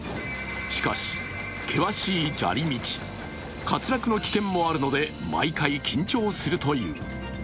しかし、険しい砂利道、滑落の危険もあるので毎回緊張するという。